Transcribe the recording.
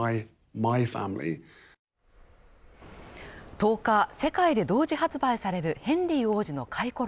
１０日世界で同時発売されるヘンリー王子の回顧録